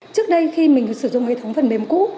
trước đây khi mình sử dụng hệ thống phần mềm cũ